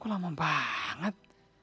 kok lama banget